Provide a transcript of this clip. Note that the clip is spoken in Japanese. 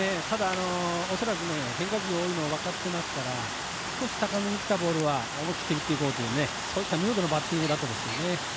ただ、恐らく変化球が多いのは分かっていますから少し高めにきたボールは思い切って打っていこうという見事なバッティングだったんですけどね。